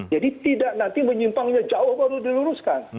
jadi tidak nanti penyimpanannya jauh baru diluruskan